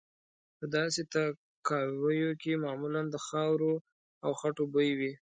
په داسې تاکاویو کې معمولا د خاورو او خټو بوی وي.